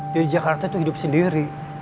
dia di jakarta itu hidup sendiri